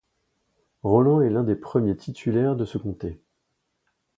Roland est l'un des premiers titulaires de ce comté.